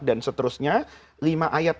dan seterusnya lima ayat